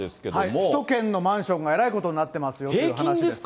首都圏のマンションがえらいことになっていますよっていう話平均ですか？